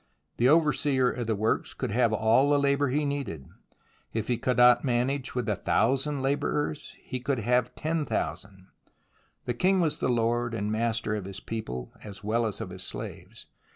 The overseer of the works could have all the labour he needed. If he could not manage with a thousand labourers, then he could have ten thousand. The king was the lord and master of his people, as well as of his slaves.